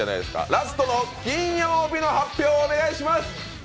ラストの金曜日の発表をお願いします！